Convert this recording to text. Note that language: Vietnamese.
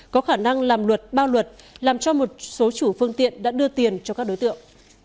có khả năng làm luật bao luật làm cho một số chủ phương tiện đã đưa tiền cho các đối tượng